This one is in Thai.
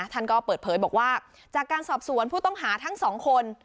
ท่านก็เปิดเผยบอกว่าจากการสอบสวนผู้ต้องหาทั้งสองคน